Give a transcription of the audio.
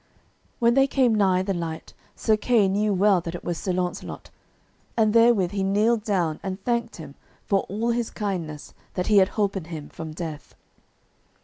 When they came nigh the light, Sir Kay knew well that it was Sir Launcelot, and therewith he kneeled down and thanked him for all his kindness that he had holpen him from death.